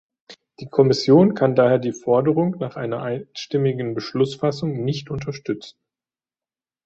Die Kommission kann daher die Forderung nach einer einstimmigen Beschlussfassung nicht unterstützen.